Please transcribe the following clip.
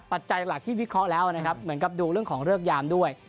ปัจจัยหลักที่วิเคราะห์แล้วนะครับเหมือนกับดูเรื่องของเลิกยามด้วย